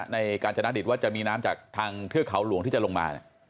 ในการชนะดิตว่าจะมีน้ำจากทางเทือกเขาหลวงที่จะลงมา